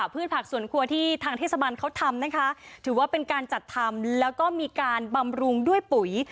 พืชผักสวนครัวที่ทางเทศบาลเขาทำนะคะถือว่าเป็นการจัดทำแล้วก็มีการบำรุงด้วยปุ๋ย